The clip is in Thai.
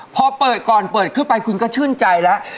พอเปิดก่อนเปิดเข้าไปคุณก็ชื่นใจแล้ว